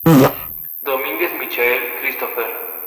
Domínguez Michael, Cristopher.